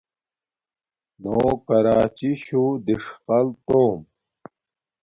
نو کراچی شُو دِݽقل توم۔